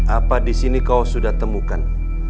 apa di sini kau sudah temukan